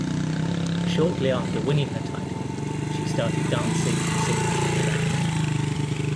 Shortly after winning her title, she started dancing, singing and acting.